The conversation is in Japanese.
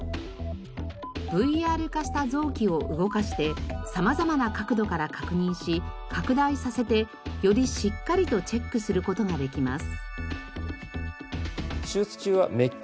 ＶＲ化した臓器を動かして様々な角度から確認し拡大させてよりしっかりとチェックする事ができます。